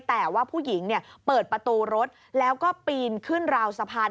แต่ว่าผู้หญิงเปิดประตูรถแล้วก็ปีนขึ้นราวสะพาน